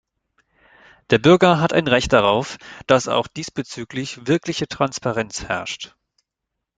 Der Bürger hat ein Recht darauf, dass auch diesbezüglich wirkliche Transparenz herrscht.